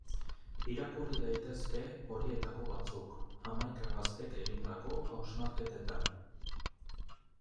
Irakurri daitezke horietako batzuk, hamaika gaztek egindako hausnarketetan.